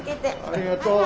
ありがとう。